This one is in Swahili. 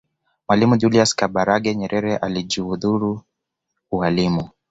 mwalimu julius kambarage nyerere alijihudhuru ualimu